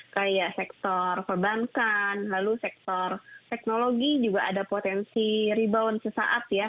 kayak sektor perbankan lalu sektor teknologi juga ada potensi rebound sesaat ya